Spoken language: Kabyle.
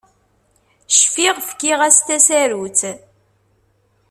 Cfiɣ fkiɣ-as tasarut.